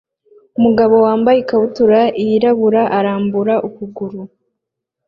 Umugabo wambaye ikabutura yirabura arambura ukuguru